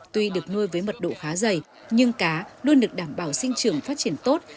tuy được nuôi với mật độ khá dày nhưng cá luôn được đảm bảo sinh trưởng phát triển tốt